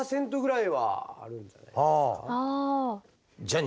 ああ。